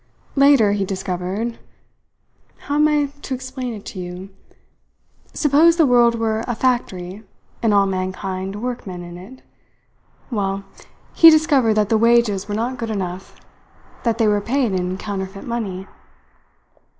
Later he discovered how am I to explain it to you? Suppose the world were a factory and all mankind workmen in it. Well, he discovered that the wages were not good enough. That they were paid in counterfeit money."